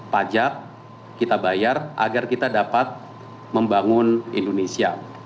pajak kita bayar agar kita dapat membangun indonesia